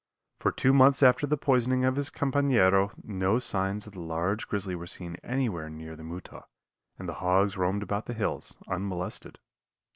For two months after the poisoning of his campanero no signs of the large grizzly were seen anywhere near the Mutaw, and the hogs roamed about the hills unmolested.